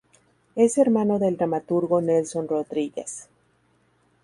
Es hermano del dramaturgo Nelson Rodrigues.